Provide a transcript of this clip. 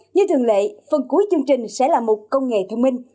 như thường lệ phần cuối chương trình sẽ là một công nghệ thông minh